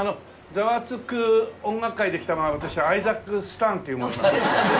『ザワつく！音楽会』で来た私アイザック・スターンっていう者なんですけど。